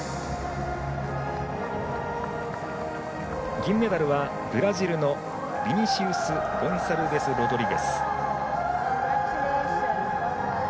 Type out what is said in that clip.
銀メダルはブラジルのビニシウス・ゴンサルベスロドリゲス。